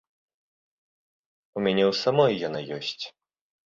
У мяне ў самой яна ёсць.